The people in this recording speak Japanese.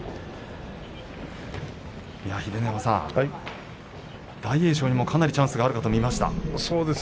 秀ノ山さん、大栄翔にもかなりチャンスがあるかと見えました。